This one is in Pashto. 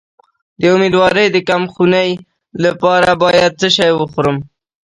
د امیدوارۍ د کمخونی لپاره باید څه شی وخورم؟